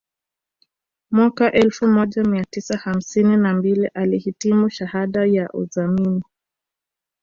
Mwaka elfu moja mia tisa hamsini na mbili alihitimu shahada ya uzamili